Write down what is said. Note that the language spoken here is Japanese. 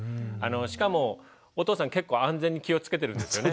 しかもお父さん結構安全に気をつけてるんですよね。